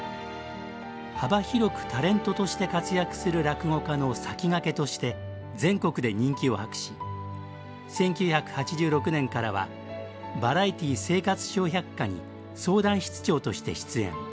幅広くタレントとして活躍する落語家の先駆けとして全国で人気を博し１９８６年からは「バラエティー生活笑百科」に相談室長として出演。